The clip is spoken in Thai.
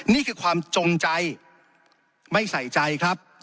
นี่คือความจงใจไม่ใส่ใจครับ